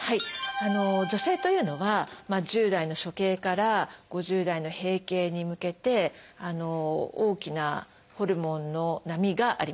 女性というのは１０代の初経から５０代の閉経に向けて大きなホルモンの波があります。